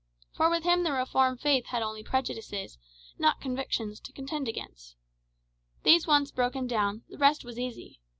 For with him the Reformed faith had only prejudices, not convictions, to contend against. These once broken down, the rest was easy.